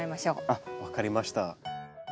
あっ分かりました。